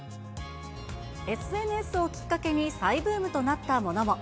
ＳＮＳをきっかけに再ブームとなったものも。